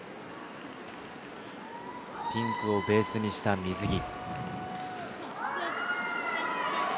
ピンクをベースにした水着。